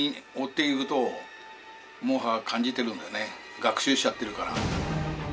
学習しちゃってるから。